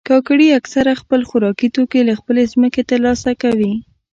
کاکړي اکثره خپل خوراکي توکي له خپلې ځمکې ترلاسه کوي.